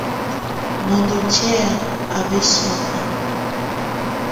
Mɔndɔ tɛ̀á á bǝsɔ̀áka.